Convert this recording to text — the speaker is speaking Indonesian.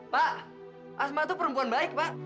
pak asma itu perempuan baik pak